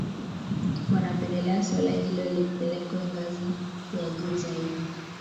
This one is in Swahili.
Wanapendelea suala hilo lipelekwe ngazi ya juu zaidi